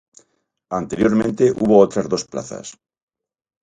Anteriormente hubo otras dos plazas.